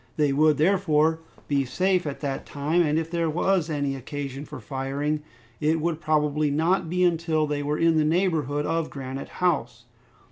They would, therefore, be safe at that time, and if there was any occasion for firing, it would probably not be until they were in the neighborhood of Granite House.